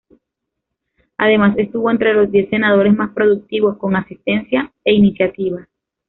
Además estuvo entre los diez senadores más productivos con asistencia e iniciativa.